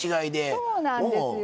そうなんですよ。